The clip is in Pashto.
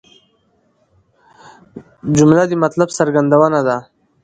جمله د مطلب څرګندونه ده.